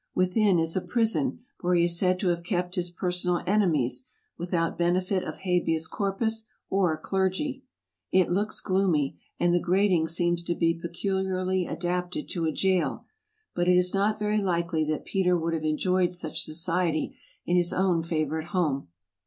Within is a prison, where he is said to have kept his personal enemies, without benefit of habeas corpus or clergy. It looks gloomy, and the grating seems to be peculiarly adapted to a jail ; but it is not very likely that Peter would have enjoyed such society in his own favorite home.